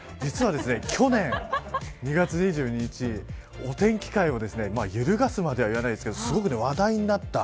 去年、お天気界を揺るがすまではいわないですけどすごく話題になった